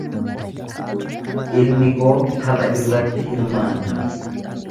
Ilmi koo tapha irratti hirmaata.